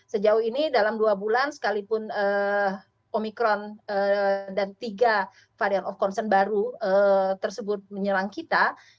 jadi kalau ini dalam dua bulan sekalipun omikron dan tiga varian of concern baru tersebut menyerang kita